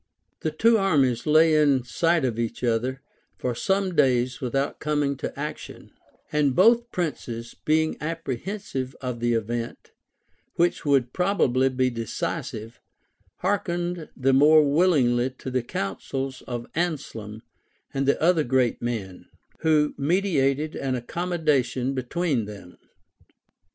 The two armies lay in sight of each other for some days without coming to action; and both princes, being apprehensive of the event, which would probably be decisive, hearkened the more willingly to the counsels of Anselm and the other great men, who mediated an accommodation between them.